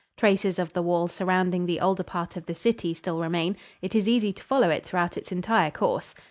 Traces of the wall surrounding the older part of the city still remain; it is easy to follow it throughout its entire course.